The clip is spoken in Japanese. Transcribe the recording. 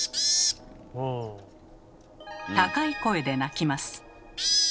高い声で鳴きます。